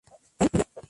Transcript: él vivió